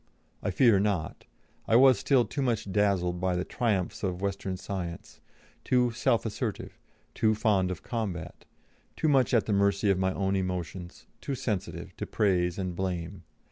I fear not; I was still too much dazzled by the triumphs of Western Science, too self assertive, too fond of combat, too much at the mercy of my own emotions, too sensitive to praise and blame.